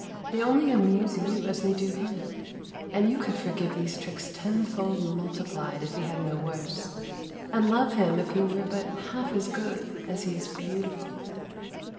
They only amuse you as they do him, and you could forgive these tricks tenfold multiplied if he had no worse, and love him if he were but half as good as he is beautiful.